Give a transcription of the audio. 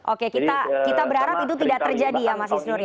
oke kita berharap itu tidak terjadi ya mas isnur ya